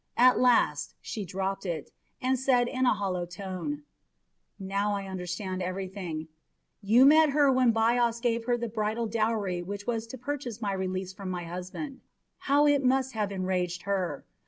At last she dropped it, and said in a hollow tone: "Now I understand everything. You met her when Bias gave her the bridal dowry which was to purchase my release from my husband. How it must have enraged her!